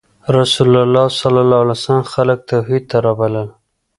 رسول الله ﷺ خلک توحید ته رابلل.